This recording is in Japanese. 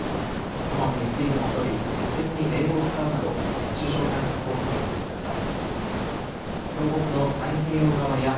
こまめに水分をとり適切に冷房を使うなど熱中症対策を続けてください。